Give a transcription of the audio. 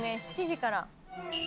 ７時から」